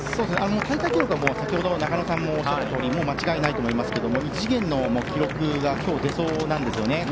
大会記録は先ほど中野さんもおっしゃられたとおり間違いないと思いますが異次元の記録が今日、出そうなんですよね。